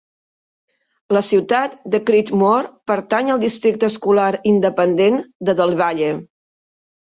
La ciutat de Creedmoor pertany al districte escolar independent de Del Valle..